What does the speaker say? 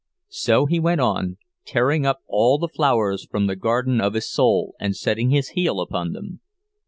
So he went on, tearing up all the flowers from the garden of his soul, and setting his heel upon them.